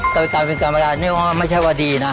กรรมการเป็นกรรมการนี่ไม่ใช่ว่าดีนะ